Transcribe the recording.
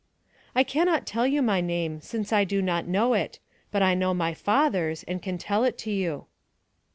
"I cannot tell you my name, since I do not know it; but I know my father's, and can tell it to you."